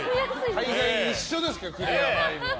大概、一緒ですけどクリアファイルは。